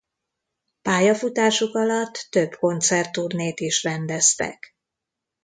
Pályafutásuk alatt több koncertturnét is rendeztek.